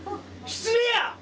失礼や！